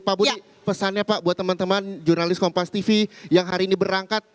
pak budi pesannya pak buat teman teman jurnalis kompas tv yang hari ini berangkat